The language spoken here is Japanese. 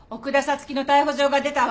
月の逮捕状が出たわ。